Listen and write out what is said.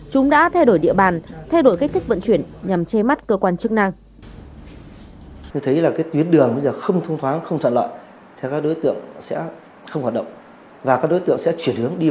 chúng đã thay đổi địa bàn thay đổi cách thích vận chuyển nhằm chê mắt cơ quan chức năng